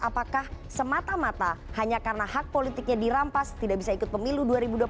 apakah semata mata hanya karena hak politiknya dirampas tidak bisa ikut pemilu dua ribu dua puluh